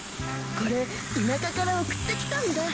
これ田舎から送ってきたんだ。